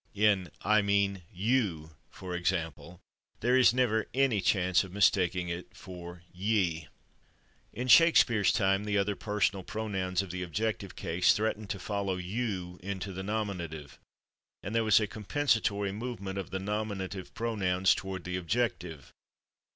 In "I mean /you/," for example, there is never any chance of mistaking it for /ye/. In Shakespeare's time the other personal pronouns of the objective case threatened to follow /you/ into the nominative, and there was a compensatory movement of the nominative pronouns toward the objective.